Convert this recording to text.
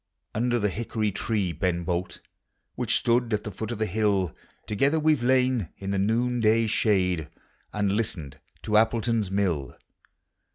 Under the hickory tree, Beu Bolt, Which stood at the foot of the hill, Together we 've lain in the noonday shade, And listened to Appletou's mill.